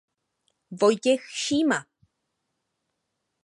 Vojtěch Šíma.